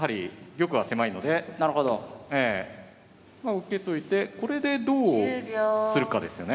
受けといてこれでどうするかですよね。